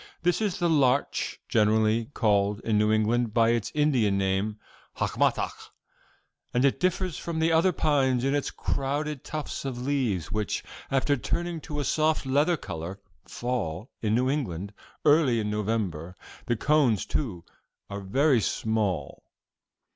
This is the larch generally called in New England by its Indian name of hacmatack and it differs from the other pines in its crowded tufts of leaves, which, after turning to a soft leather color, fall, in New England, early in November. The cones, too, are very small."